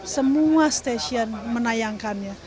semua stasiun menayangkannya